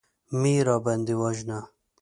مه يې راباندې وژنه.